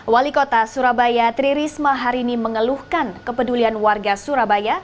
wali kota surabaya tri risma hari ini mengeluhkan kepedulian warga surabaya